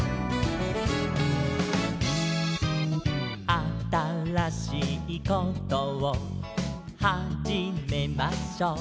「あたらしいことをはじめましょう」